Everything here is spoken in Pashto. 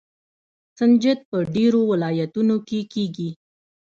سنجد په ډیرو ولایتونو کې کیږي.